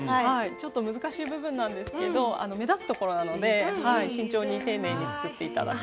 ちょっと難しい部分なんですけど目立つところなので慎重に丁寧に作って頂くといいですね。